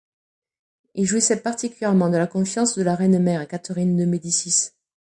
Il jouissait particulièrement de la confiance de la reine-mère, Catherine de Médicis.